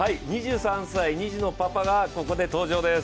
２３歳、２児のパパがここで登場です。